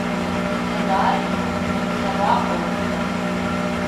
Сабааихьоу, мшәан, сабаҟоу?